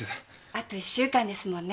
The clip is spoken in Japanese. あと１週間ですもんね。